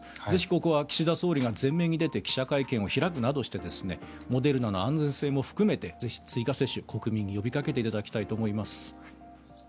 ぜひ、ここは岸田総理が前面に出て記者会見を開くなどしてモデルナの安全性を含めてぜひ追加接種国民に呼びかけていただきたいと思います。